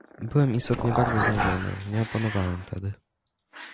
"Byłem istotnie bardzo znużony, nie oponowałem tedy."